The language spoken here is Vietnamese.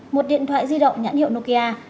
một điện thoại di động nhãn hiệu nokia